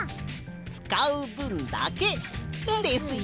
つかうぶんだけ。ですよ。